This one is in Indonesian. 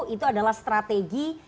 itu adalah strategi